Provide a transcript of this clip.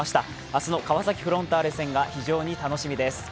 明日の川崎フロンターレ戦が非常に楽しみです。